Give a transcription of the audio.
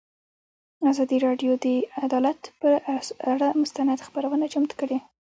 ازادي راډیو د عدالت پر اړه مستند خپرونه چمتو کړې.